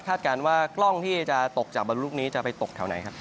การว่ากล้องที่จะตกจากบรรลุนี้จะไปตกแถวไหนครับ